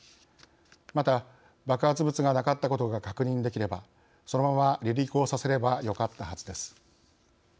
また、爆発物がなかったことが確認できればそのまま離陸をさせればよかったはずです。